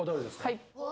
はい。